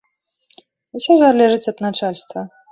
Усё залежыць ад начальства.